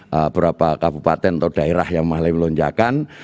beberapa kabupaten atau daerah yang mengalami lonjakan